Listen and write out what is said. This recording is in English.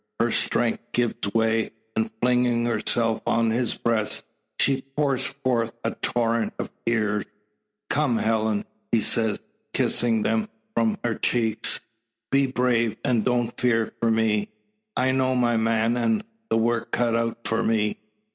Her strength gives way, and flinging herself on his breast, she pours forth a torrent of tears. "Come, Helen!" he says, kissing them from her cheeks, "be brave, and don't fear for me. I know my man, and the work cut out for me.